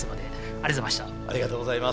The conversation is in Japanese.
ありがとうございます。